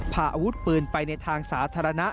พาอาวุธปืนไปในทางสาธารณะ